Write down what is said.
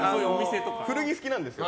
古着好きなんですよ。